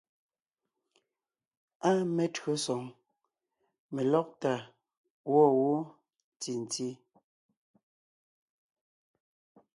Áa metÿǒsoŋ , melɔ́gtà gwɔ̂ wó ntì ntí.